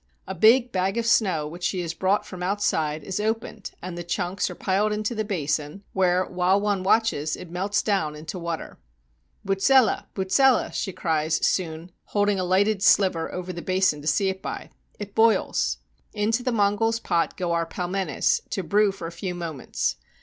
A big bag of snow which she has brought from outside is opened and the chunks are piled into the basin, where, while one watches, it melts down into water. "Bonlzela I boutzela !" she cries soon, holding a lighted sliver over the basin to see it by: "it boils." Into the Mongol's pot go our pelmenes, to brew for a few mo ments.